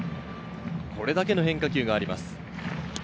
これだけの変化球があります。